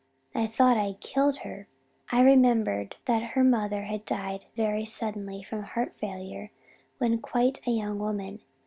I thought I had killed her I remembered that her mother had died very suddenly from heart failure when quite a young woman.